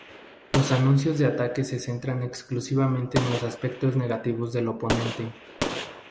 Los anuncios de ataque se centran exclusivamente en los aspectos negativos del oponente.